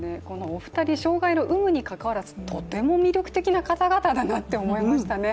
お二人、障害の有無にかかわらずとても魅力的な方々だなと思いましたね。